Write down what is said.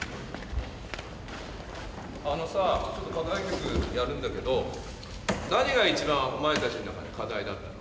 あのさ課題曲やるんだけど何が一番お前たちの中で課題だったの？